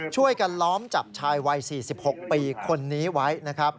ช่วยกันล้อมจับชายวัย๔๖ปีคนนี้ไว้นะครับ